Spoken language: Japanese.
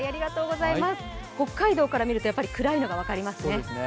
北海道から見ると暗いのが分かりますね。